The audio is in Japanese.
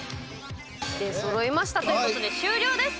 出そろいましたということで、終了です。